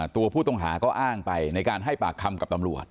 ตัวผู้ต้องหาก็อ้างไปในการให้ปากคำกับตำรวจ